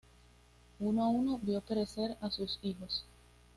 Uno a uno vio perecer a sus hijos.